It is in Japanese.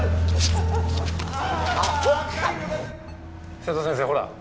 瀬戸先生ほら